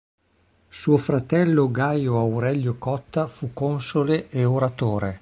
Suo fratello Gaio Aurelio Cotta fu console e oratore.